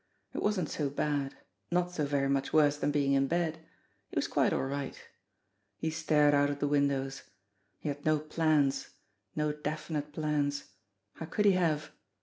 It wasn't so bad ; not so very much worse than being in bed. He was quite all right. He stared out of the windows. He had no plans no definite plans. How could he have